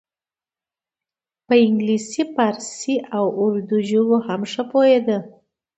په انګلیسي پارسي او اردو ژبو هم ښه پوهیده.